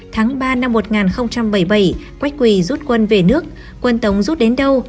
tháng ba năm một nghìn bảy mươi bảy quách quỳ rút quân về nước quân tống rút đến đâu